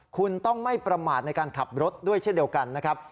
คุณต้องไม่ประมาทในการขับรถด้วยเช่นเดียวกันนะครับ